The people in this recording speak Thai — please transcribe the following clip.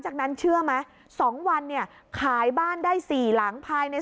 จากนั้นเชื่อไหม๒วันเนี่ยขายบ้านได้๔หลังภายใน